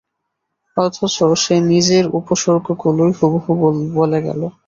অথচ সে নিজের উপসর্গগুলোই হুবহু বলে গেল।